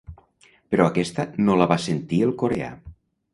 Però aquesta no la va sentir el coreà.